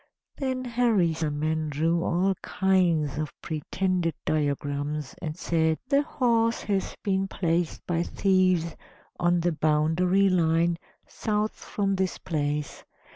Then Harisarman drew all kinds of pretended diagrams, and said: "The horse has been placed by thieves on the boundary line south from this place.